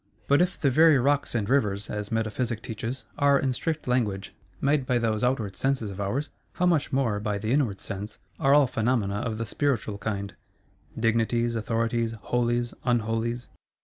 —But if the very Rocks and Rivers (as Metaphysic teaches) are, in strict language, made by those outward Senses of ours, how much more, by the Inward Sense, are all Phenomena of the spiritual kind: Dignities, Authorities, Holies, Unholies!